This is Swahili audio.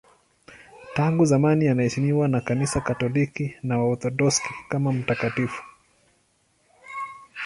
Tangu zamani anaheshimiwa na Kanisa Katoliki na Waorthodoksi kama mtakatifu.